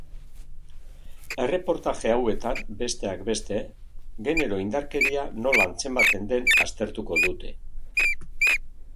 Erreportaje hauetan, besteak beste, genero indarkeria nola antzematen den aztertuko dute.